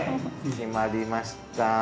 決まりました。